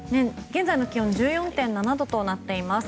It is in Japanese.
現在の気温１４．７度となっています。